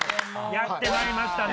やってまいましたね